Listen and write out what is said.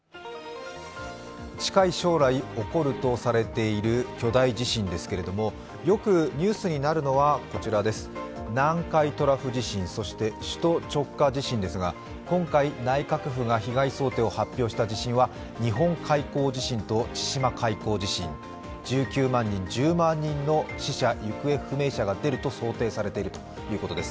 近い将来起こるとされている巨大地震ですがよくニュースになるのはこちらです、南海トラフ地震、そして首都直下地震ですが、今回内閣府が被害想定を発表した地震は日本海溝地震と千島海溝地震１９万人、１０万人の死者、行方不明者が出ると想定されているということです。